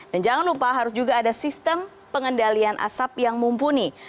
dan jangan lupa harus juga ada sistem pengendalian asap yang mumpuni